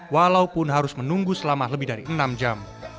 walaupun harus menunggu selama lebih dari enam jam